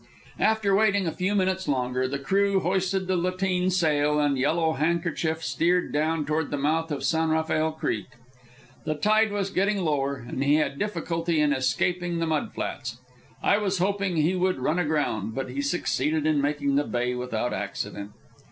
After waiting a few minutes longer, the crew hoisted the lateen sail, and Yellow Handkerchief steered down toward the mouth of San Rafael Creek. The tide was getting lower, and he had difficulty in escaping the mud banks. I was hoping he would run aground, but he succeeded in making the Bay without accident.